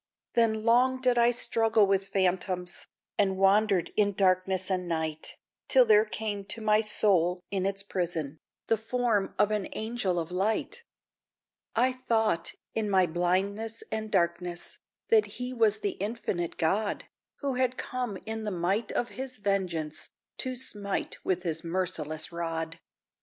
Then long did I struggle with phantoms, And wandered in darkness and night, Till there came to my soul, in its prison, The form of an Angel of Light. I thought, in my blindness and darkness, That he was the Infinite God, Who had come in the might of his vengeance To smite with his merciless rod.